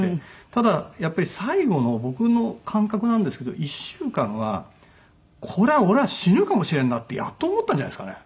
ただやっぱり最後の僕の感覚なんですけど１週間はこれは俺は死ぬかもしれんなってやっと思ったんじゃないですかね。